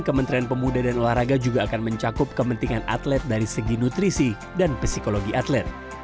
kementerian pemuda dan olahraga juga akan mencakup kepentingan atlet dari segi nutrisi dan psikologi atlet